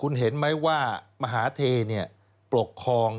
คุณเห็นไหมว่ามหาเทปกครอง